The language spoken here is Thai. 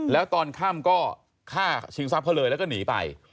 แล้วตอนข้ามก็ฆ่าชิงซัพเผลยแล้วก็หนีไป